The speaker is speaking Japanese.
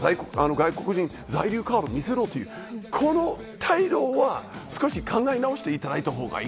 外国人在留カードを見せろというこの態度は少し考え直していただいた方がいい。